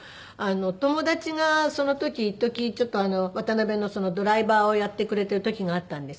友達がその時いっときちょっとあの渡辺のドライバーをやってくれてる時があったんです。